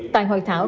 tại hội thảo